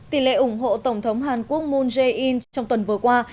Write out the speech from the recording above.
tỷ lệ ủng hộ tổng thống hàn quốc moon jae in trong tuần vừa qua